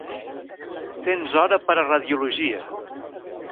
Tens hora per a radiologia.